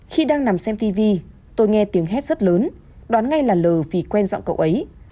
khi đang nằm xem tv tôi nghe tiếng hát rất lớn đoán ngay là lờ vì quen giặng cậu ấy